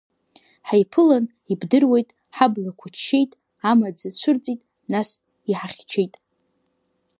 Ҳаиԥылан, ибдыруеит, ҳаблақәа ччеит, амаӡа цәырҵит, нас иҳахьчеит.